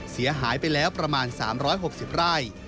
เสียหายไปแล้วประมาณ๓๖๐ไร่